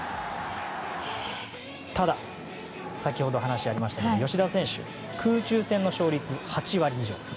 ただ、先ほど話にありましたけど吉田選手空中戦の勝率８割以上。